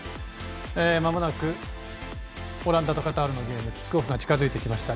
まもなくオランダとカタールのゲームキックオフの時間が近づいてきました。